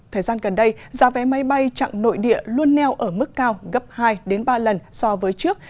thời gian gần đây giá vé máy bay chặn nội địa luôn neo ở mức cao gấp hai ba lần so với trước